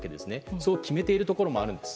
そう決めているところもあります。